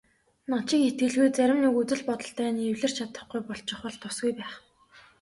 Над шиг итгэлгүй зарим нэг үзэл бодолтой нь эвлэрч чадахгүй болчихвол тусгүй байх.